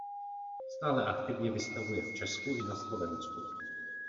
Stále aktivně vystavuje v Česku i na Slovensku.